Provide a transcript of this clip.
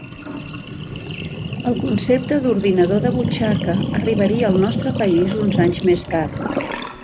El concepte d'ordinador de butxaca arribaria al nostre país uns anys més tard.